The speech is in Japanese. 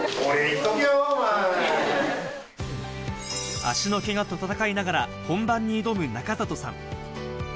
足のけがと闘いながら、本番に挑む、中里さん。